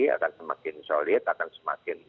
akan semakin solid akan semakin